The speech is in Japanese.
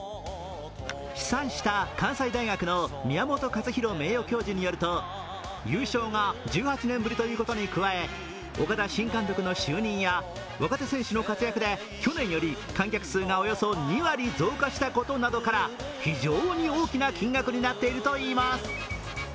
試算した関西大学の宮本勝浩名誉教授によると優勝が１８年ぶりということに加え岡田新監督の就任や若手選手の活躍で去年より観客数がおよそ２割増加したことなどから非常に大きな金額となっているといいます